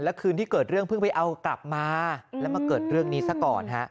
แล้วคืนที่เกิดเรื่องเพิ่งไปเอากลับมาแล้วมาเกิดเรื่องนี้ซะก่อนฮะ